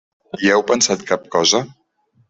Hi heu pensat cap cosa?